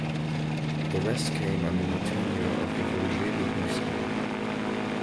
The rest came under the tenure of Roger de Busli.